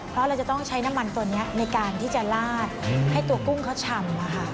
เพราะเราจะต้องใช้น้ำมันตัวนี้ในการที่จะลาดให้ตัวกุ้งเขาฉ่ำ